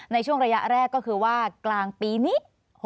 ในช่วงระยะแรกก็คือว่ากลางปีนี้